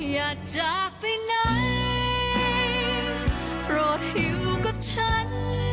อยากจากไปไหนโปรดหิวกับฉัน